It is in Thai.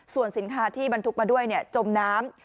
ส่วนสินค้าที่บรรทุกมาด้วยจมน้ำ